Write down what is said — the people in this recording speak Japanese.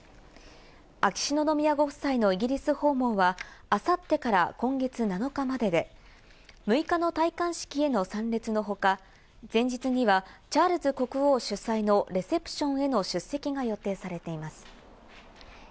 秋篠宮ご夫妻のイギリス訪問は明後日から今月７日までで、６日の戴冠式への参列のほか、前日にはチャールズ国王主催のレセプションへの出席が予定されています。